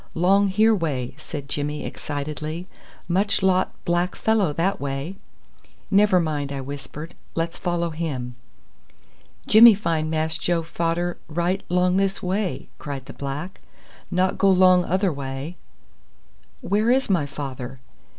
'long here way," said Jimmy excitedly. "Much lot black fellow that way." "Never mind," I whispered; "let's follow him." "Jimmy find Mass Joe fader right 'long this way," cried the black. "Not go 'long other way." "Where is my father?"